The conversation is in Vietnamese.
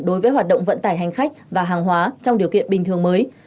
đối với hoạt động vận tải hành khách và hàng hóa trong điều kiện bình thường mới